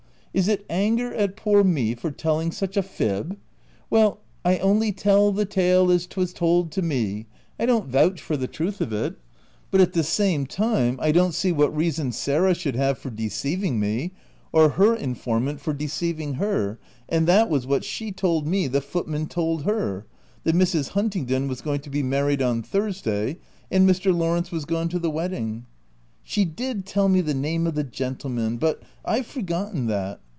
" Is it anger at poor me for telling such a fib ? Well, I only ' tell the tale as 'twas told to me:' I don't vouch for the truth of it ; but at the same time, I don't see what reason Sarah should have for deceiving me, or her informant for deceiving her ; and that w T as what she told me the footman told her :— that Mrs. Huntingdon was going to be married on Thursday, and Mr. Lawrence was gone to the wedding. She did tell me the name of the gentleman, but I've 278 THE TENANT forgotten that.